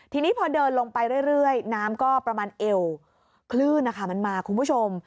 ทีนี้พอเดินลงไปเรื่อยน้ำก็ประมาณเอวคลื่นนะคะมันมาคุณผู้ชม